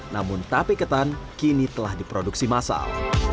namun tape ketan kini telah diproduksi masal